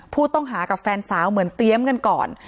ผู้ต้องหากับแฟนสาวเหมือนเตรียมกันก่อน